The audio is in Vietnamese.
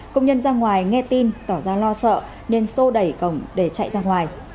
công nhân ra ngoài nghe tin tỏ ra lo sợ nên xô đẩy cổng để chạy ra ngoài